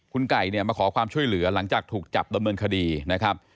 คุณไก่เนี่ยมาขอความช่วยเหลือหลังจากถูกจับดำเนินคดีนะครับ